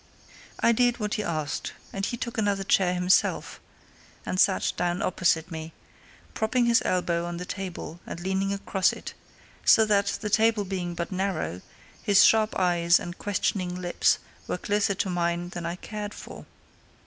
I did what he asked, and he took another chair himself and sat down opposite me, propping his elbow on the table and leaning across it, so that, the table being but narrow, his sharp eyes and questioning lips were closer to mine than I cared for.